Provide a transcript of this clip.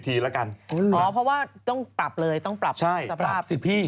เพราะว่าต้องปรับเลยต้องปรับสภาพสิพี่